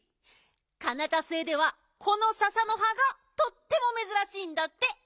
カナタ星ではこのササのはがとってもめずらしいんだって。